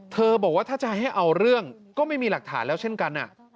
บอกว่าถ้าจะให้เอาเรื่องก็ไม่มีหลักฐานแล้วเช่นกัน